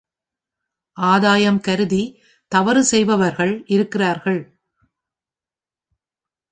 ஆதாயம் கருதித் தவறு செய்பவர்கள் இருக்கிறார்கள்!